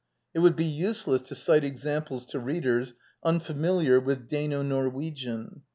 It would be useless to cite examples to readers unfamiliar with Dano Norwegian.